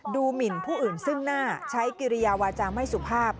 หมินผู้อื่นซึ่งหน้าใช้กิริยาวาจาไม่สุภาพ